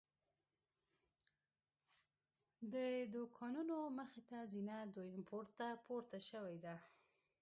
د دوکانونو مخې ته زینه دویم پوړ ته پورته شوې ده.